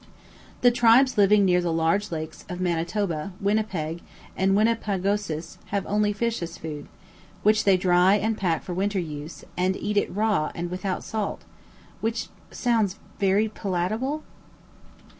The tribes living near the large lakes of Manitoba, Winnipeg, and Winnipegosis have only fish as food, which they dry and pack for winter use, and eat it raw and without salt which sounds very palatable?